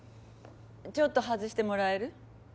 ちょっと外してもらえる？